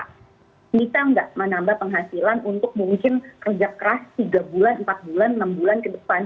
bisa nggak menambah penghasilan untuk mungkin kerja keras tiga bulan empat bulan enam bulan ke depan